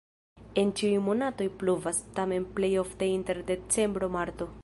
En ĉiuj monatoj pluvas, tamen plej ofte inter decembro-marto.